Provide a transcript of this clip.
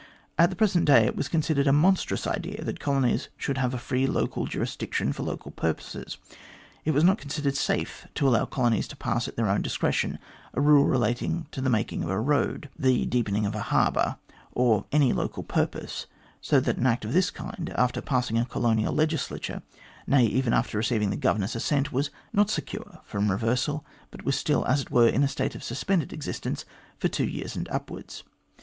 At the present day it was considered a monstrous idea that colonies should have free local juris diction for local purposes. It was not considered safe to allow colonies to pass, at their own discretion, a law relating to the making of a road, the deepening of a harbour, or any local purpose ; so that an Act of this kind, after passing a colonial legislature nay, even after receiving the Governor's assent, was not secure from reversal, but was still, as it were, in a state of suspended existence for two years and upwards.